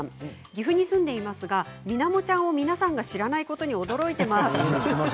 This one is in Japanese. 岐阜に住んでいますがミナモちゃんを皆さんが知らないことに驚いています。